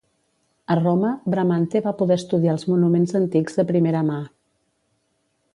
A Roma, Bramante va poder estudiar els monuments antics de primera mà.